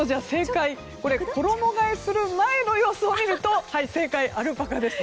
衣替えする前の様子を見ると正解、アルパカです。